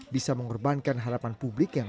bisa mengorbankan harapan publik yang